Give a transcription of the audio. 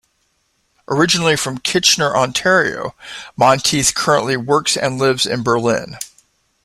Originally from Kitchener, Ontario, Montieth currently works and lives in Berlin.